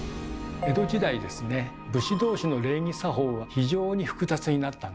江戸時代ですね武士どうしの礼儀作法は非常に複雑になったんですね。